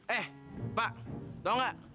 eh pak tau nggak